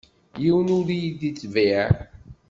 Yiwen ur yi-d-yetbiɛ.